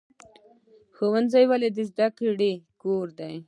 ښوونځی ولې د زده کړې کور دی؟